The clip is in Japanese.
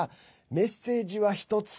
メッセージは１つ。